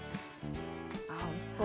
おいしそう。